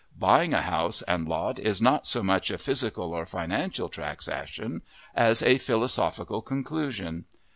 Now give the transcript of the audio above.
Buying a house and lot is not so much a physical or financial transaction as a philosophical conclusion.